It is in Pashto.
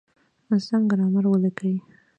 سم ګرامر وليکئ!.